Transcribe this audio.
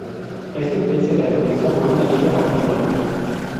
Este pez se caracteriza por una dieta omnívora.